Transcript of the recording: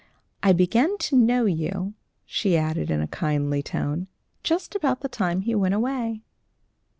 I began to know you," she added, in a kindly tone, "just about the time he went away."